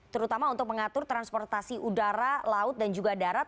terutama untuk mengatur transportasi udara laut dan juga darat